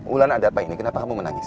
ulan ada apa ini kenapa kamu menangis